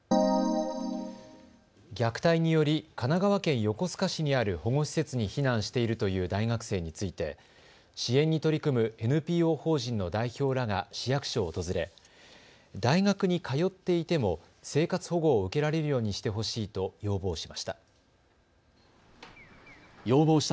虐待により、神奈川県横須賀市にある保護施設に避難しているという大学生について支援に取り組むＮＰＯ法人の代表らが市役所を訪れ大学に通っていても生活保護を受けられるようにしてほしいと要望しました。